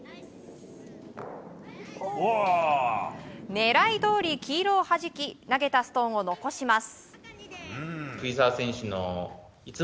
狙いどおり、黄色をはじき投げたストーンを残します。